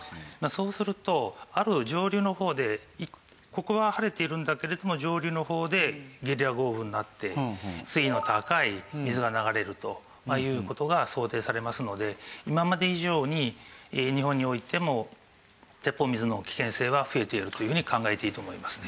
そうするとある上流の方でここは晴れているんだけれども上流の方でゲリラ豪雨になって水位の高い水が流れるという事が想定されますので今まで以上に日本においても鉄砲水の危険性は増えているというふうに考えていいと思いますね。